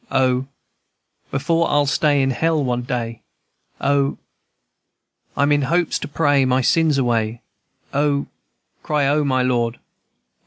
O, &c. Before I'll stay in hell one day, O, &c. I'm in hopes to pray my sins away, O, &c. Cry O my Lord!